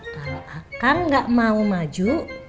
kalau akang nggak mau maju